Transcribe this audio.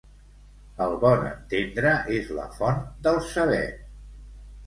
El bon entendre és la font del saber.